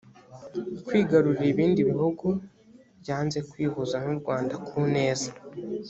kwigarurira ibindi bihugu byanze kwihuza n u rwanda ku neza